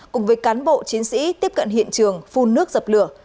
cùng với cán bộ chiến sĩ tiếp cận hiện trường phun nước dập lửa